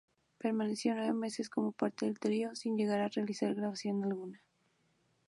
Permaneció nueve meses como parte del trío, sin llegar a realizar grabación alguna.